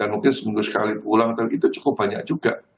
mungkin seminggu sekali pulang atau kita cukup banyak juga